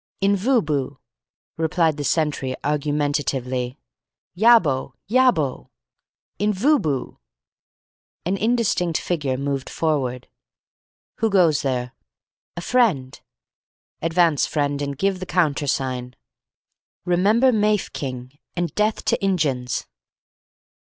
"Invooboo," replied the sentry argumentatively "Yah bo! Yah bo! Invooboo." An indistinct figure moved forward. "Who goes there?" "A friend." "Advance, friend, and give the countersign." "Remember Mafeking, and death to Injuns."